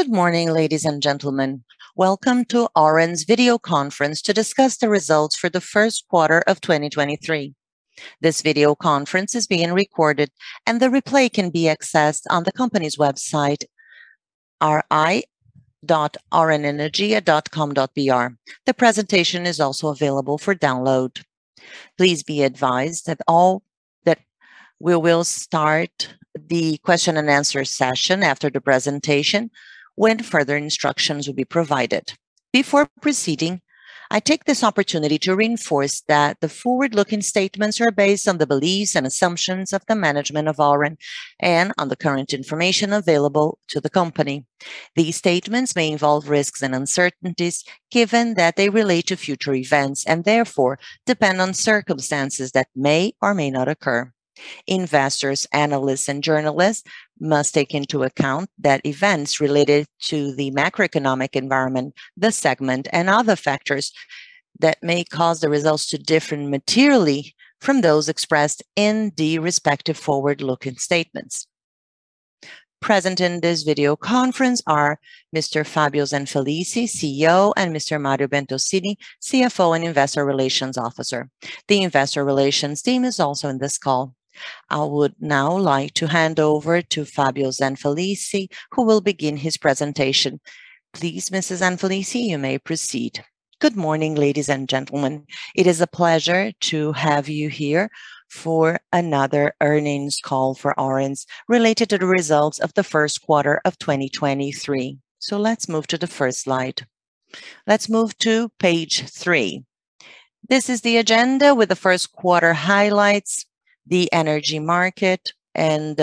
Good morning, ladies and gentlemen. Welcome to Auren's video conference to discuss the results for the Q1 of 2023. This video conference is being recorded, and the replay can be accessed on the company's website, ri.aurenergia.com.br. The presentation is also available for download. Please be advised that we will start the question and answer session after the presentation when further instructions will be provided. Before proceeding, I take this opportunity to reinforce that the forward-looking statements are based on the beliefs and assumptions of the management of Auren and on the current information available to the company. These statements may involve risks and uncertainties given that they relate to future events, and therefore depend on circumstances that may or may not occur. Investors, analysts, and journalists must take into account that events related to the macroeconomic environment, the segment, and other factors that may cause the results to differ materially from those expressed in the respective forward-looking statements. Present in this video conference are Mr. Fabio Zanfelice, CEO, and Mr. Mario Bertoncini, CFO and Investor Relations Officer. The investor relations team is also in this call. I would now like to hand over to Fabio Zanfelice, who will begin his presentation. Please, Mr. Zanfelice, you may proceed. Good morning, ladies and gentlemen. It is a pleasure to have you here for another earnings call for Auren's related to the results of the Q1 of 2023. Let's move to the 1st slide. Let's move to page three. This is the agenda, with the Q1 highlights, the energy market, and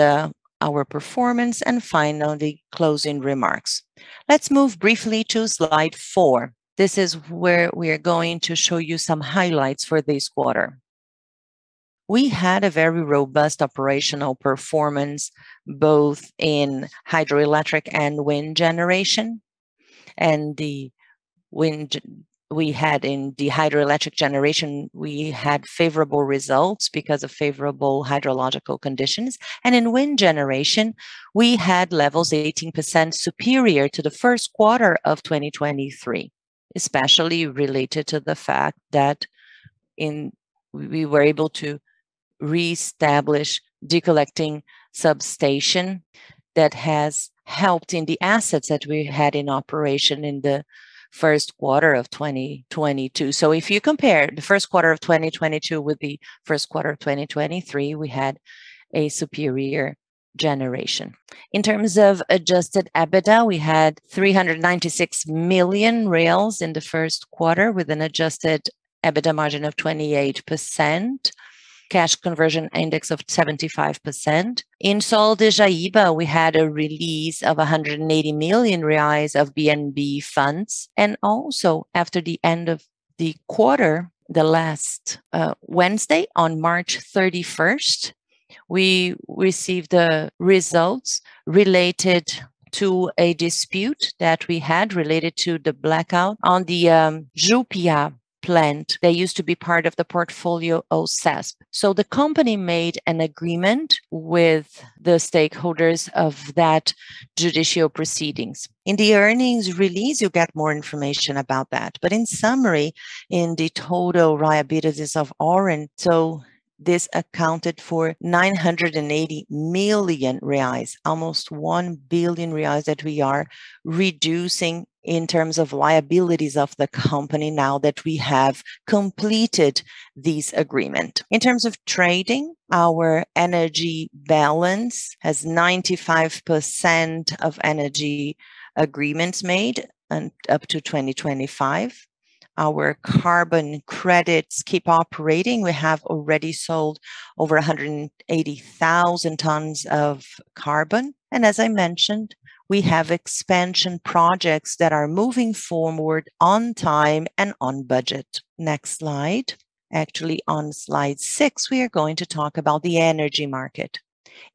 our performance, and finally, closing remarks. Let's move briefly to slide four. This is where we're going to show you some highlights for this quarter. We had a very robust operational performance, both in hydroelectric and wind generation, we had in the hydroelectric generation, we had favorable results because of favorable hydrological conditions. In wind generation, we had levels 18% superior to the Q1 of 2023, especially related to the fact that we were able to reestablish the collecting substation that has helped in the assets that we had in operation in the Q1 of 2022. If you compare the Q1 of 2022 with the Q1 of 2023, we had a superior generation. In terms of adjusted EBITDA, we had 396 million reais in the Q1, with an adjusted EBITDA margin of 28%, cash conversion index of 75%. In Sol de Jaíba, we had a release of 180 million reais of BNB funds. Also, after the end of the quarter, the last Wednesday, on March 31st, we received the results related to a dispute that we had related to the blackout on the Jupiá plant that used to be part of the portfolio CESP. The company made an agreement with the stakeholders of that judicial proceedings. In the earnings release, you'll get more information about that. In summary, in the total liabilities of Auren, this accounted for 980 million reais, almost 1 billion reais that we are reducing in terms of liabilities of the company now that we have completed this agreement. In terms of trading, our energy balance has 95% of energy agreements made and up to 2025. Our carbon credits keep operating. We have already sold over 180,000 tons of carbon. As I mentioned, we have expansion projects that are moving forward on time and on budget. Next slide. Actually, on slide 6, we are going to talk about the energy market.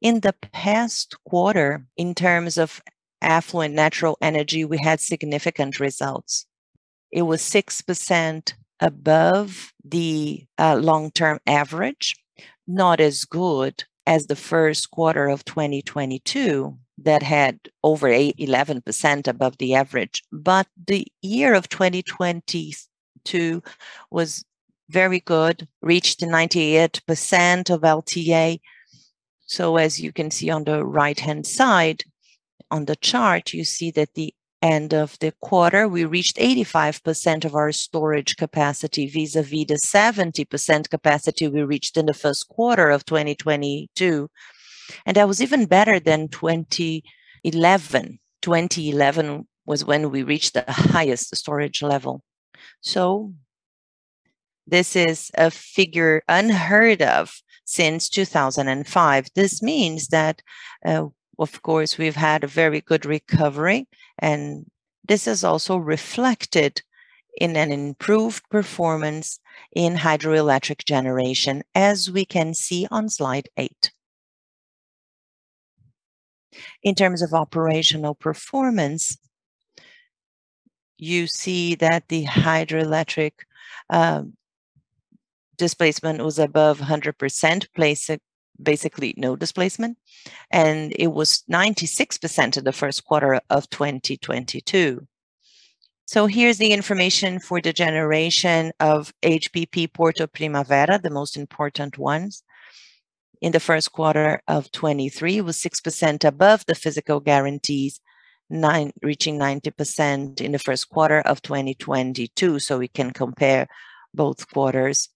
In the past quarter, in terms of affluent natural energy, we had significant results. It was 6% above the long-term average, not as good as the Q1 of 2022 that had over 8%, 11% above the average. The year of 2022 was very good, reached 98% of LTA. As you can see on the right-hand side on the chart, you see that the end of the quarter, we reached 85% of our storage capacity vis-à-vis the 70% capacity we reached in the Q1 of 2022. That was even better than 2011. 2011 was when we reached the highest storage level. This is a figure unheard of since 2005. This means that, of course, we've had a very good recovery, and this is also reflected in an improved performance in hydroelectric generation as we can see on slide 8. In terms of operational performance. You see that the hydroelectric displacement was above 100% basically no displacement, and it was 96% in the Q1 of 2022. Here's the information for the generation of HPP Porto Primavera, the most important ones. In the Q1 of 2023 was 6% above the physical guarantees, reaching 90% in the Q1 of 2022, We can compare both quarters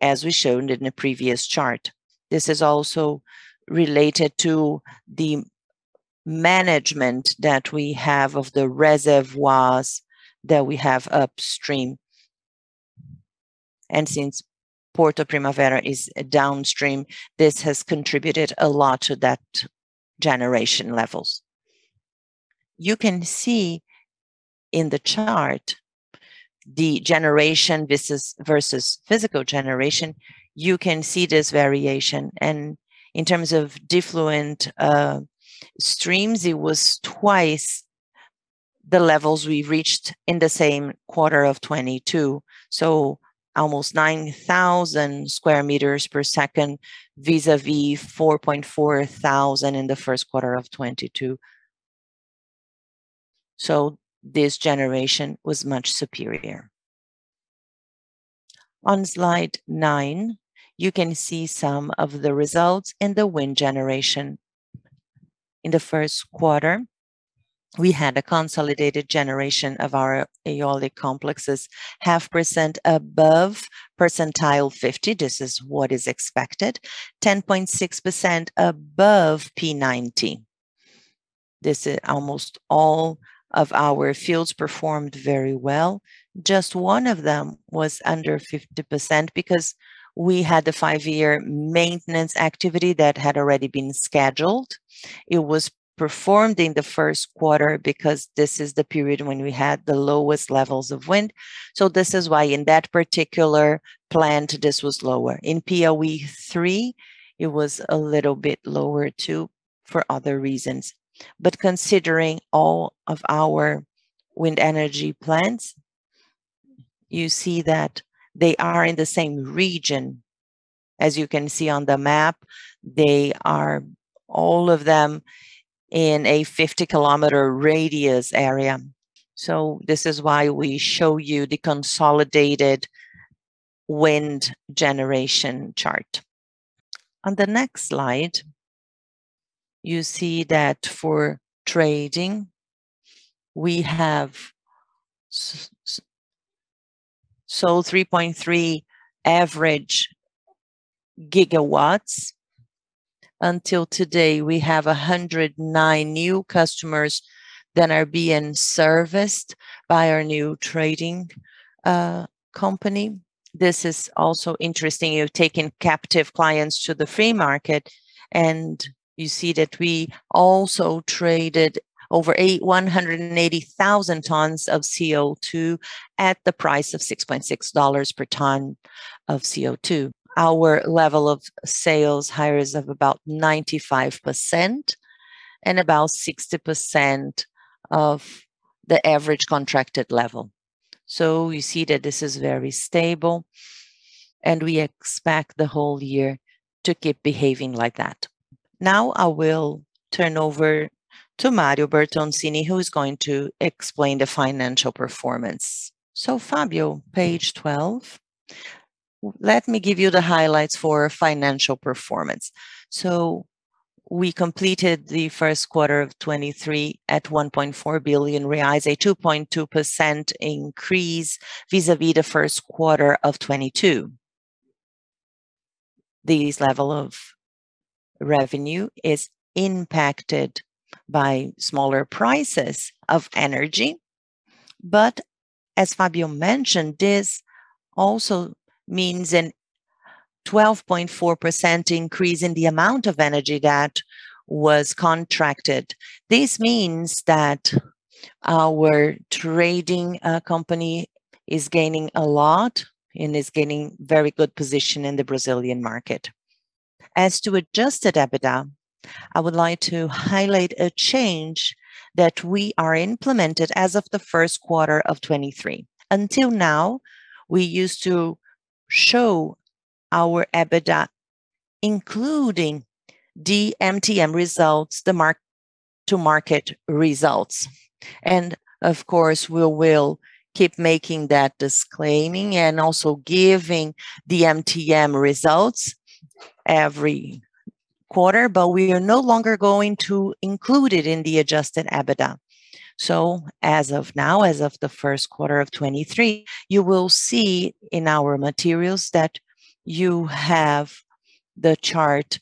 as we shown in the previous chart. This is also related to the management that we have of the reservoirs that we have upstream. Since Porto Primavera is downstream, this has contributed a lot to that generation levels. You can see in the chart the generation versus physical generation, you can see this variation. In terms of diffluent streams, it was twice the levels we reached in the same quarter of 2022. Almost 9,000 sq m per second vis-a-vis 4.4 thousand in the Q1 of 2022. This generation was much superior. On slide nine, you can see some of the results in the wind generation. In the Q1, we had a consolidated generation of our eolic complexes 0.5% above P50, this is what is expected. 10.6% above P90. This is almost all of our fields performed very well. Just one of them was under 50% because we had the 5-year maintenance activity that had already been scheduled. It was performed in the Q1 because this is the period when we had the lowest levels of wind. This is why in that particular plant, this was lower. In POE 3 it was a little bit lower too for other reasons. Considering all of our wind energy plants, you see that they are in the same region. As you can see on the map, they are all of them in a 50-km radius area. This is why we show you the consolidated wind generation chart. On the next slide, you see that for trading, we have sold 3.3 average GW. Until today, we have 109 new customers that are being serviced by our new trading company. This is also interesting, you know, taking captive clients to the free market, and you see that we also traded over 180,000 tons of CO2 at the price of $6.6 per ton of CO2. Our level of sales hires of about 95% and about 60% of the average contracted level. You see that this is very stable and we expect the whole year to keep behaving like that. Now I will turn over to Mario Bertoncini, who's going to explain the financial performance. Fabio, page 12. Let me give you the highlights for financial performance. We completed the Q1 of 2023 at 1.4 billion reais, a 2.2% increase vis-a-vis the Q1 of 2022. This level of revenue is impacted by smaller prices of energy. As Fabio mentioned, this also means an 12.4% increase in the amount of energy that was contracted. This means that our trading company is gaining a lot and is gaining very good position in the Brazilian market. As to adjusted EBITDA, I would like to highlight a change that we are implemented as of the Q1 of 2023. Until now, we used to show our EBITDA, including the MTM results, the mark-to-market results. Of course, we will keep making that disclaiming and also giving the MTM results every quarter, but we are no longer going to include it in the adjusted EBITDA. As of now, as of the Q1 of 2023, you will see in our materials that you have the chart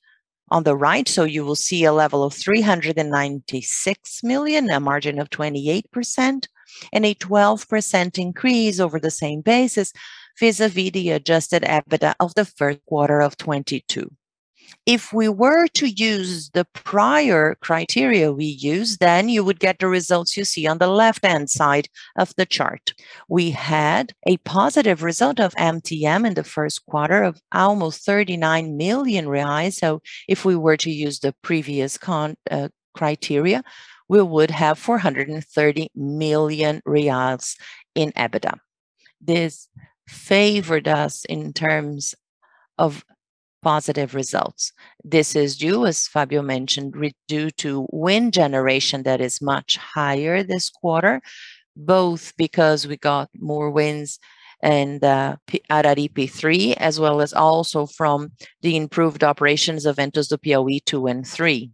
on the right, you will see a level of 396 million, a margin of 28% and a 12% increase over the same basis vis-a-vis the adjusted EBITDA of the Q1 of 2022. If we were to use the prior criteria we used, you would get the results you see on the left-hand side of the chart. We had a positive result of MTM in the Q1 of almost 39 million reais. If we were to use the previous criteria, we would have 430 million BRL in EBITDA. This favored us in terms of positive results. This is due, as Fabio mentioned, due to wind generation that is much higher this quarter, both because we got more winds and out at EP3, as well as also from the improved operations of Ventos do Piauí 2 and 3.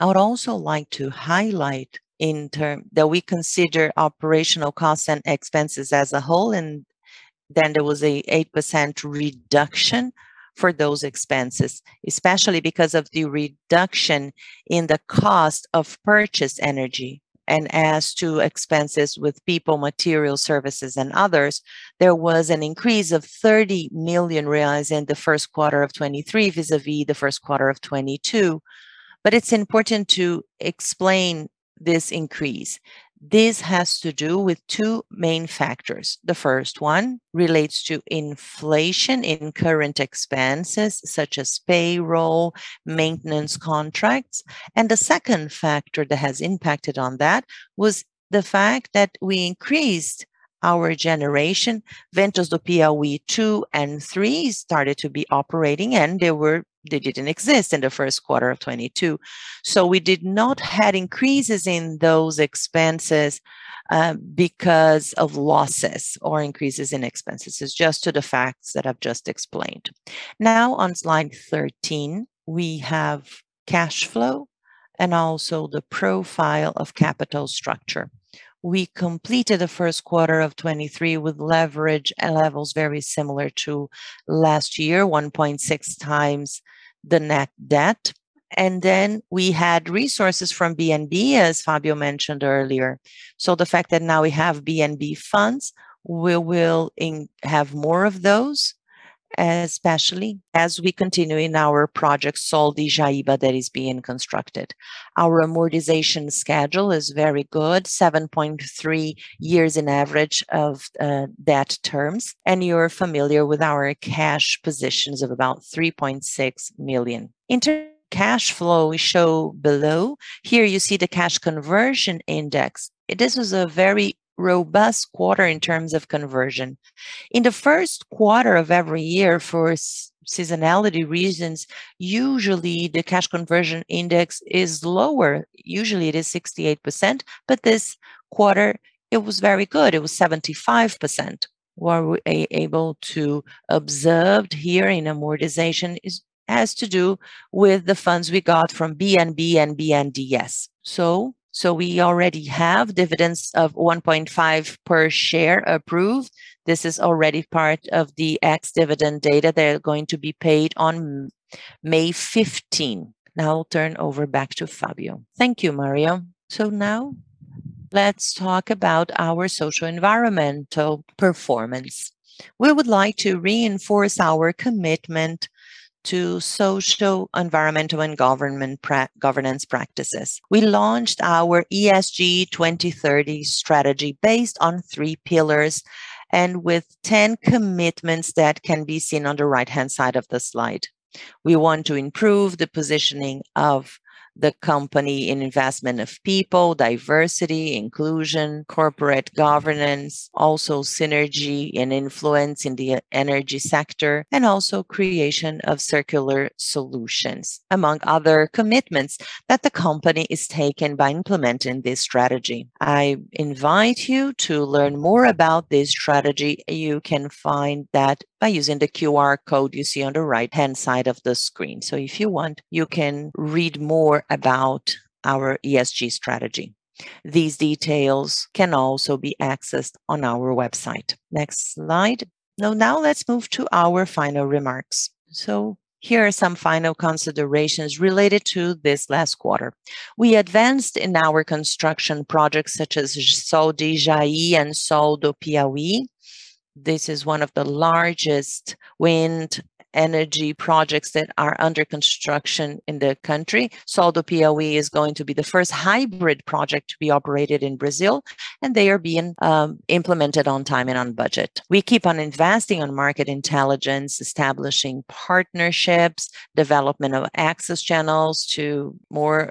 I would also like to highlight in term... We consider operational costs and expenses as a whole, there was a 8% reduction for those expenses, especially because of the reduction in the cost of purchased energy. As to expenses with people, material, services, and others, there was an increase of 30 million reais in the Q1 of 2023 vis-à-vis the Q1 of 2022. It's important to explain this increase. This has to do with two main factors. The first one relates to inflation in current expenses such as payroll, maintenance contracts. The second factor that has impacted on that was the fact that we increased our generation. Ventos do Piauí 2 and 3 started to be operating, they didn't exist in the Q1 of 2022. We did not have increases in those expenses because of losses or increases in expenses. On slide 13, we have cash flow and also the profile of capital structure. We completed the Q1 of 2023 with leverage at levels very similar to last year, 1.6 times the net debt. We had resources from BNB, as Fabio mentioned earlier. The fact that now we have BNB funds, we will have more of those, especially as we continue in our project Sol de Jaíba that is being constructed. Our amortization schedule is very good, 7.3 years in average of debt terms, and you're familiar with our cash positions of about 3.6 million. In term cash flow, we show below. Here you see the cash conversion index. This was a very robust quarter in terms of conversion. In the Q1 of every year for seasonality reasons, usually the cash conversion index is lower. Usually it is 68%, but this quarter it was very good, it was 75%. What we able to observed here in amortization has to do with the funds we got from BNB and BNDES. We already have dividends of 1.5 per share approved. This is already part of the ex-dividend data that are going to be paid on May 15th. I'll turn over back to Fabio. Thank you, Mario. Now let's talk about our social environmental performance. We would like to reinforce our commitment to social, environmental, and government governance practices. We launched our ESG 2030 Strategy based on three pillars, and with 10 commitments that can be seen on the right-hand side of the slide. We want to improve the positioning of the company in investment of people, diversity, inclusion, corporate governance, also synergy and influence in the energy sector, and also creation of circular solutions, among other commitments that the company is taking by implementing this strategy. I invite you to learn more about this strategy. You can find that by using the QR code you see on the right-hand side of the screen. If you want, you can read more about our ESG Strategy. These details can also be accessed on our website. Next slide. Now let's move to our final remarks. Here are some final considerations related to this last quarter. We advanced in our construction projects such as Sol de Jaíba and Sol do Piauí. This is one of the largest wind energy projects that are under construction in the country. Sol do Piauí is going to be the first hybrid project to be operated in Brazil, and they are being implemented on time and on budget. We keep on investing on market intelligence, establishing partnerships, development of access channels to more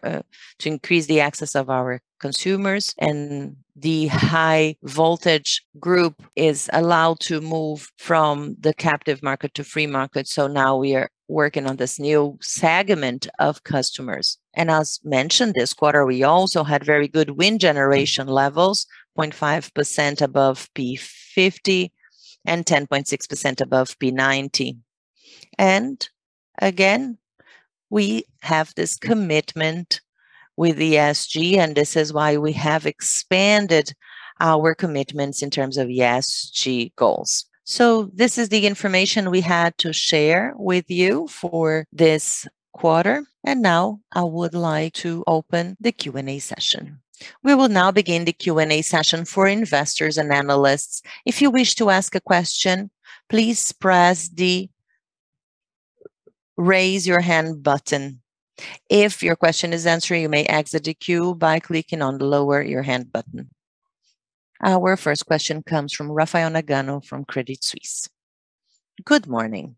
to increase the access of our consumers, and the high voltage group is allowed to move from the captive market to free market, so now we are working on this new segment of customers. As mentioned, this quarter we also had very good wind generation levels, 0.5% above P50 and 10.6% above P90. Again, we have this commitment with ESG, and this is why we have expanded our commitments in terms of ESG goals. This is the information we had to share with you for this quarter, and now I would like to open the Q&A session. We will now begin the Q&A session for investors and analysts. If you wish to ask a question, please press the raise your hand button. If your question is answered, you may exit the queue by clicking on the lower your hand button. Our first question comes from Rafael Nagano from Credit Suisse. Good morning.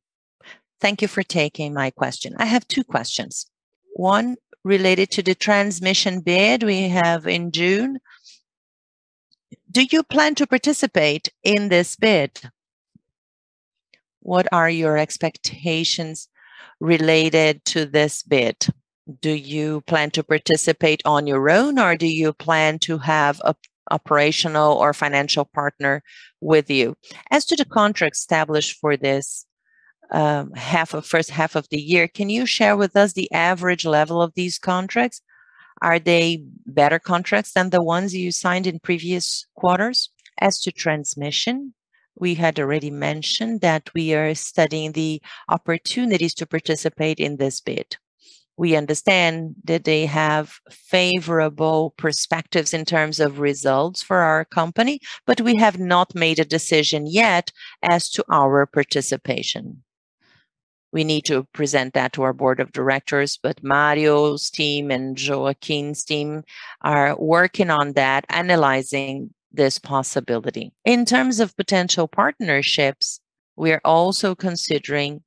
Thank you for taking my question. I have two questions, one related to the transmission bid we have in June. Do you plan to participate in this bid? What are your expectations related to this bid? Do you plan to participate on your own, or do you plan to have a operational or financial partner with you? As to the contracts established for this H1 of the year, can you share with us the average level of these contracts? Are they better contracts than the ones you signed in previous quarters? As to transmission, we had already mentioned that we are studying the opportunities to participate in this bid. We understand that they have favorable perspectives in terms of results for our company. We have not made a decision yet as to our participation. We need to present that to our board of directors. Mario's team and Joaquin's team are working on that, analyzing this possibility. In terms of potential partnerships, we're also considering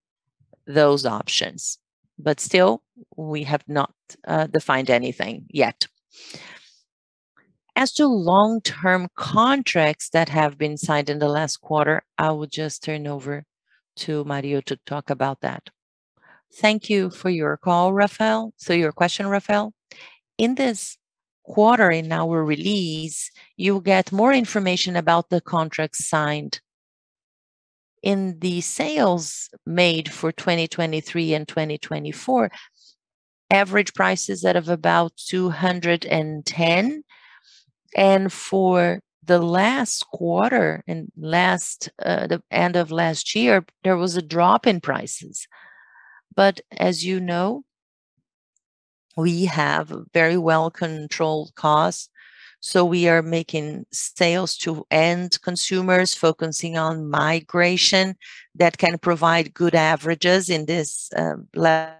those options. Still we have not defined anything yet. As to long-term contracts that have been signed in the last quarter, I will just turn over to Mario to talk about that. Thank you for your call, Rafael. Your question, Rafael. In this quarter, in our release, you will get more information about the contracts signed. In the sales made for 2023 and 2024, average prices are of about 210. For the last quarter and last, the end of last year, there was a drop in prices. As you know, we have very well-controlled costs, we are making sales to end consumers, focusing on migration that can provide good averages in this blend.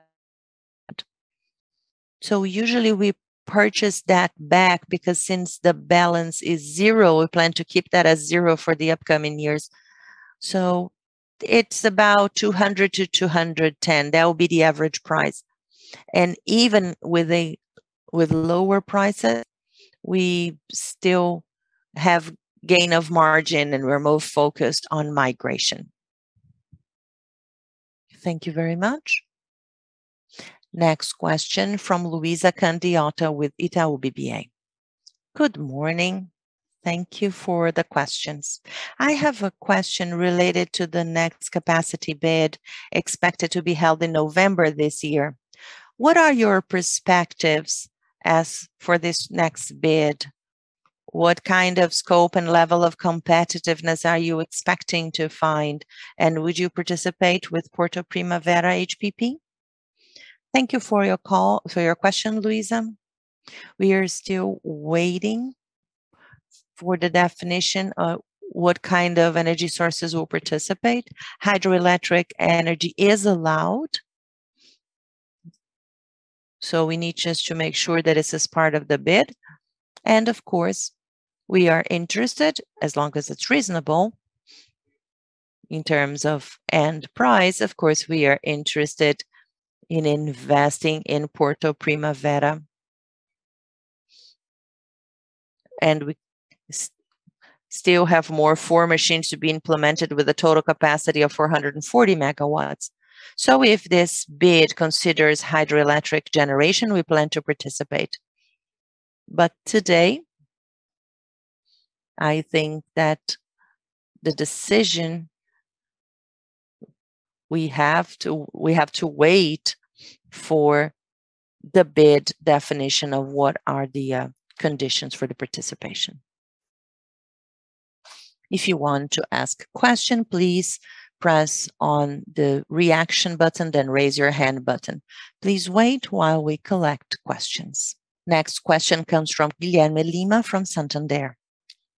Usually we purchase that back because since the balance is zero, we plan to keep that as zero for the upcoming years. It's about 200-210, that will be the average price. Even with lower prices, we still have gain of margin and we're more focused on migration. Thank you very much. Next question from Luiza Candiota with Itaú BBA. Good morning. Thank you for the questions. I have a question related to the next capacity bid expected to be held in November this year. What are your perspectives as for this next bid? What kind of scope and level of competitiveness are you expecting to find, and would you participate with Porto Primavera HPP? Thank you for your call, for your question, Luiza. We are still waiting for the definition of what kind of energy sources will participate. Hydroelectric energy is allowed, we need just to make sure that this is part of the bid. Of course, we are interested, as long as it's reasonable in terms of end price. Of course, we are interested in investing in Porto Primavera. We still have more four machines to be implemented with a total capacity of 440 MW. If this bid considers hydroelectric generation, we plan to participate. Today, I think that the decision we have to wait for the bid definition of what are the conditions for the participation. If you want to ask a question, please press on the reaction button, then Raise Your Hand button. Please wait while we collect questions. Next question comes from Guilherme Lima from Santander.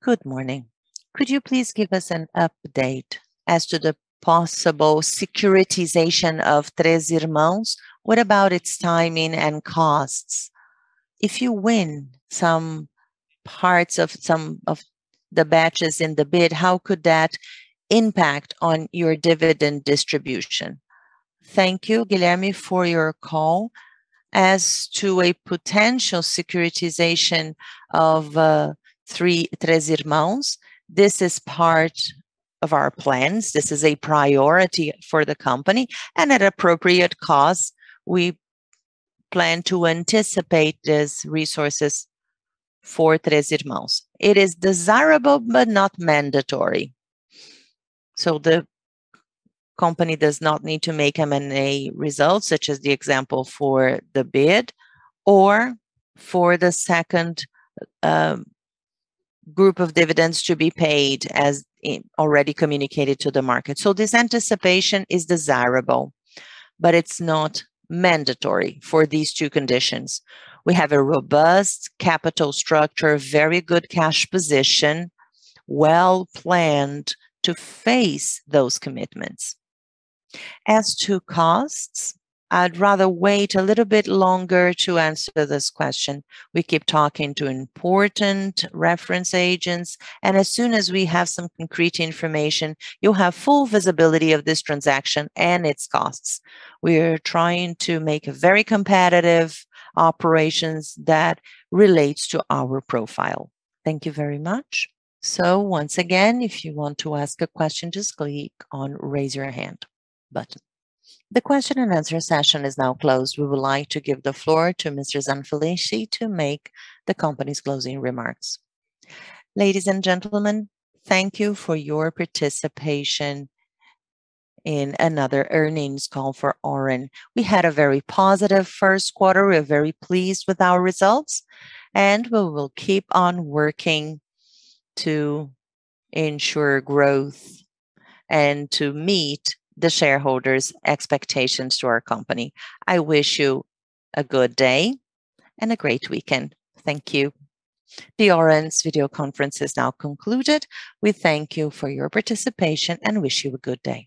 Good morning. Could you please give us an update as to the possible securitization of Tres Irmãos? What about its timing and costs? If you win some of the batches in the bid, how could that impact on your dividend distribution? Thank you, Guilherme, for your call. As to a potential securitization of Tres Irmãos, this is part of our plans. This is a priority for the company. At appropriate cost, we plan to anticipate these resources for Tres Irmãos. It is desirable, but not mandatory. The company does not need to make M&A results, such as the example for the bid or for the second group of dividends to be paid as already communicated to the market. This anticipation is desirable, but it's not mandatory for these two conditions. We have a robust capital structure, very good cash position, well-planned to face those commitments. As to costs, I'd rather wait a little bit longer to answer this question. We keep talking to important reference agents, and as soon as we have some concrete information, you'll have full visibility of this transaction and its costs. We are trying to make a very competitive operation that relates to our profile. Thank you very much. Once again, if you want to ask a question, just click on Raise Your Hand button. The question and answer session is now closed. We would like to give the floor to Mr. Zanfelice to make the company's closing remarks. Ladies and gentlemen, thank you for your participation in another earnings call for Auren. We had a very positive Q1. We are very pleased with our results, and we will keep on working to ensure growth and to meet the shareholders' expectations to our company. I wish you a good day and a great weekend. Thank you. The Auren's video conference is now concluded. We thank you for your participation and wish you a good day.